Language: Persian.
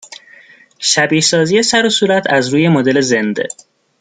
شبیه سازی سر و صورت از روی مدل زنده